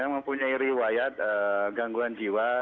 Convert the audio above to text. mempunyai riwayat gangguan jiwa